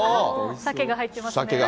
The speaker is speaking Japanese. サケが入ってますね。